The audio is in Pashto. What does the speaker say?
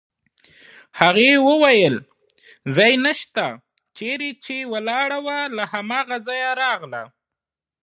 هغې وویل: ځای نشته، چېرې چې ولاړه وه له هماغه ځایه راغله.